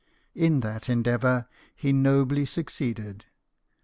In that endeavour he 'nobly succeeded.